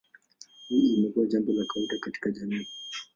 Hii imekuwa jambo la kawaida katika jamii.